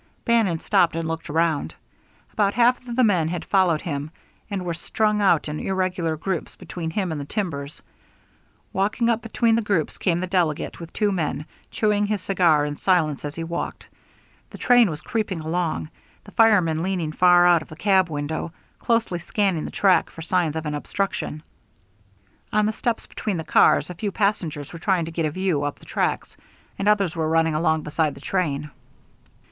Bannon stopped and looked around. About half of the men had followed him, and were strung out in irregular groups between him and the timbers. Walking up between the groups came the delegate, with two men, chewing his cigar in silence as he walked. The train was creeping along, the fireman leaning far out of the cab window, closely scanning the track for signs of an obstruction. On the steps between the cars a few passengers were trying to get a view up the track; and others were running along beside the train.